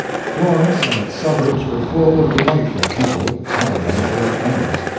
Florence and its suburbs were full of delightful people, some of them old friends.